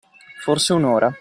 Forse un’ora.